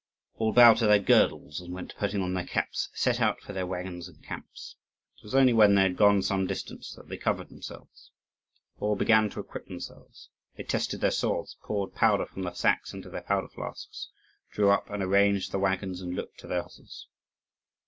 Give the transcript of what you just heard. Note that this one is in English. All bowed to their girdles, and without putting on their caps set out for their waggons and camps. It was only when they had gone some distance that they covered themselves. All began to equip themselves: they tested their swords, poured powder from the sacks into their powder flasks, drew up and arranged the waggons, and looked to their horses.